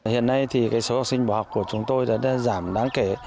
hiện nay thì số học sinh bỏ học của chúng tôi đã giảm đáng kể